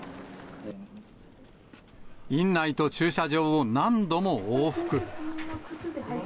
院内と駐車場を何度も往復。